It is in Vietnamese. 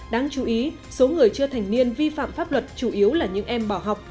đáng chú ý số người chưa thành niên vi phạm pháp luật chủ yếu là những em bỏ học